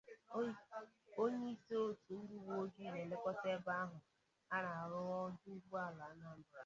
onyeisi òtù ndị uweojii na-elekọta ebe ahụ a na-arụ ọdụ ụgbọelu Anambra